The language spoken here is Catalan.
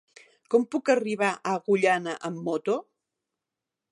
Com puc arribar a Agullana amb moto?